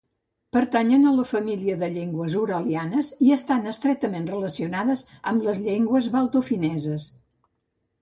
Pertanyen a la família de llengües uralianes, i estan estretament relacionades amb les llengües baltofineses.